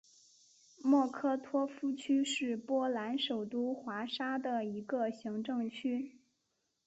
莫科托夫区是波兰首都华沙的一个行政区。